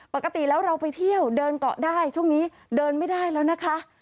ปกติแล้วเราไปเที่ยวเดินเกาะได้ช่วงนี้เดินไม่ได้แล้วนะคะ